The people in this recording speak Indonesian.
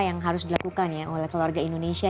yang harus dilakukan ya oleh keluarga indonesia